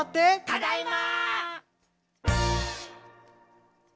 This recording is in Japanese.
ただいま！